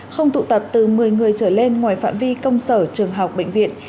không tụ tập từ một mươi người trở lên ngoài phạm vi công sở trường học bệnh viện